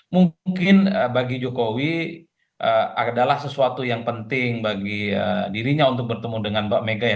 mungkin bagi jokowi adalah sesuatu yang penting bagi dirinya untuk bertemu dengan mbak mega ya